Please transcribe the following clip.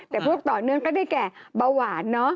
แต่พวกต่อเนื่องก็ได้แก่เบาหวานเนอะ